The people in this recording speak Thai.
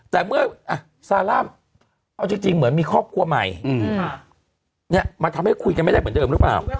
แต่เมื่อซาร่ามเอาจริงเหมือนมีครอบครัวใหม่มาทำให้คุยกันไม่ได้เหมือนเดิมหรือเปล่า